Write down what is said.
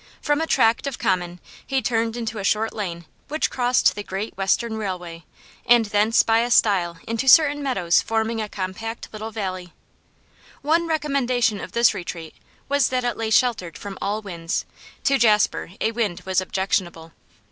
From a tract of common he turned into a short lane which crossed the Great Western railway, and thence by a stile into certain meadows forming a compact little valley. One recommendation of this retreat was that it lay sheltered from all winds; to Jasper a wind was objectionable.